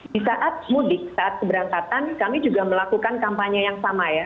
di saat mudik saat keberangkatan kami juga melakukan kampanye yang sama ya